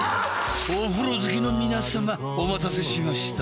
［お風呂好きの皆さまお待たせしました］